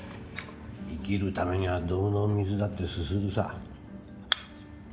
生きるためにはドブの水だってすするさ。